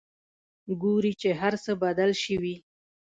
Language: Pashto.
ګوري چې هرڅه بدل شوي.